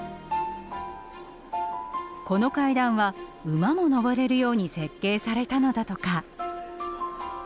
この階段は馬も上れるように設計されたのだとか。